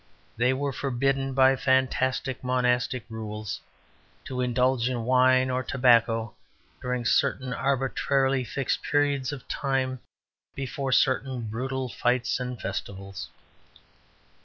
They were forbidden, by fantastic monastic rules, to indulge in wine or tobacco during certain arbitrarily fixed periods of time, before certain brutal fights and festivals.